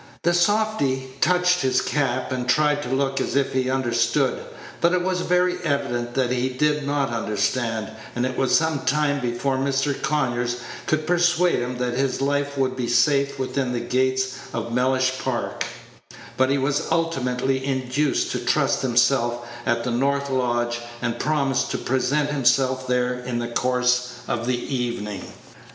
The softy touched his cap, and tried to look as if he understood; but it was very evident that he did not understand, and it was some time before Mr. Conyers could persuade him that his life would be safe within the gates of Mellish Park; but he was ultimately induced to trust himself at the north lodge, and promised to present himself there in the course of the evening.